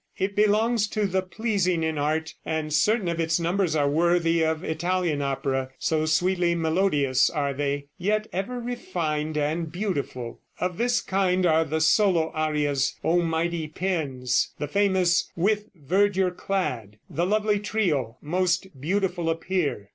It belongs to the pleasing in art, and certain of its numbers are worthy of Italian opera, so sweetly melodious are they, yet ever refined and beautiful. Of this kind are the solo arias, "On Mighty Pens," the famous "With Verdure Clad," the lovely trio, "Most Beautiful Appear."